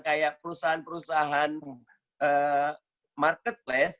kayak perusahaan perusahaan marketplace